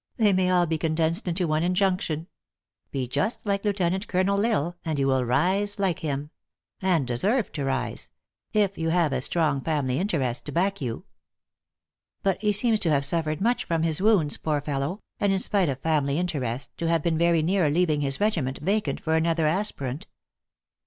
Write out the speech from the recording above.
They may all be condensed into one injunction: Be just like Lieu tenant Colonel L Isle, and you will rise like him ; and deserve to rise if you have as strong family interest to back you. But he seems to have suffered much from his wounds, poor fellow, and in spite of family interest, to have been very near leaving his regiment vacant for another aspirant."